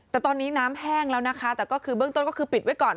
แต่ตอนนี้น้ำแห้งแล้วนะคะแต่ก็คือเบื้องต้นก็คือปิดไว้ก่อน